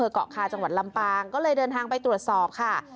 เกาะคาจังหวัดลำปางก็เลยเดินทางไปตรวจสอบค่ะ